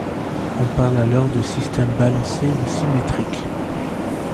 On parle alors de système balancé ou symétrique.